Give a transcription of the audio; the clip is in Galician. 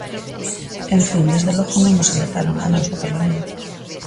En fin, desde logo non nos alertaron a nós no Parlamento.